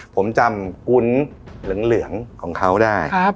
ผมจำกุ้นเหลืองของเขาได้